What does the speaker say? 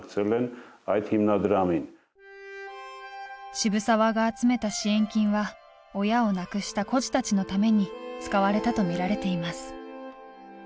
渋沢が集めた支援金は親を亡くした孤児たちのために使われたと見られています。